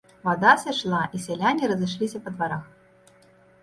Вада сышла, і сяляне разышліся па дварах.